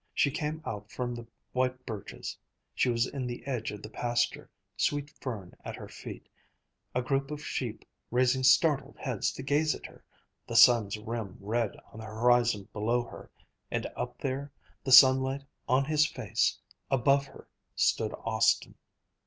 She came out from the white birches. She was in the edge of the pasture, sweet fern at her feet, a group of sheep raising startled heads to gaze at her, the sun's rim red on the horizon below her. And up there, the sunlight on his face, above her, stood Austin.